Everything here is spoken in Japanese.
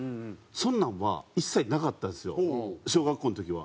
そんなんは一切なかったんですよ小学校の時は。